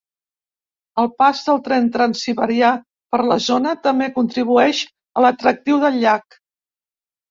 El pas del tren transsiberià per la zona, també contribueix a l'atractiu del llac.